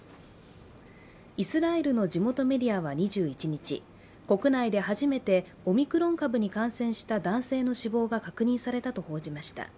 イスラエルの地元メディアは２１日、国内で初めてオミクロン株に感染した男性の死亡が確認されたと報じました。